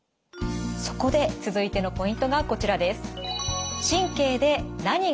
そこで続いてのポイントがこちらです。